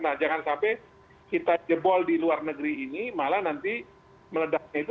nah jangan sampai kita jebol di luar negeri ini malah nanti meledaknya itu